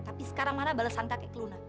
tapi sekarang mana balesan kakek ke luna